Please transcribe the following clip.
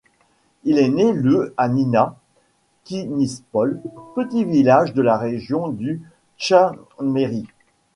Il est né le à Ninat, Konispole, petit village de la région du Tchameri.